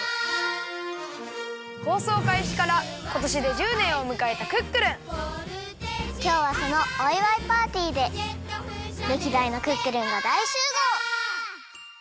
放送かいしからことしで１０年をむかえた「クックルン」きょうはそのおいわいパーティーで歴代のクックルンが大集合！